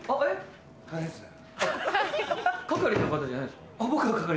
係の方じゃないんですか？